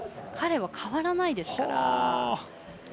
彼は変わらないですから。